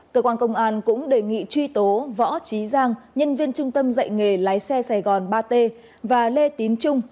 cơ quan công an cũng đề nghị truy tố võ trí giang nhân viên trung tâm dạy nghề lái xe sài gòn ba t và lê tín trung